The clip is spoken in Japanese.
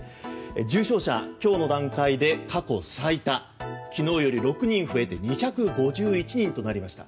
重症者、今日の段階で過去最多昨日より６人増えて２５１人となりました。